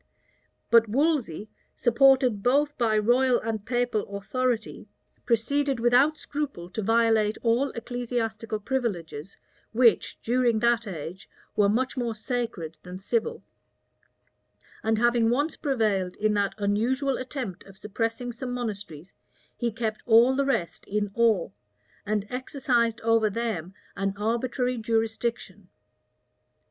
But Wolsey, supported both by royal and papal authority, proceeded without scruple to violate all ecclesiastical privileges, which, during that age, were much more sacred than civil; and having once prevailed in that unusual attempt of suppressing some monasteries, he kept all the rest in awe, and exercised over them an arbitrary jurisdiction.